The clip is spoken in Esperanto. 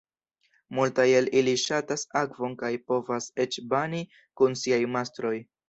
Multaj el ili ŝatas akvon kaj povas eĉ bani kun siaj mastroj.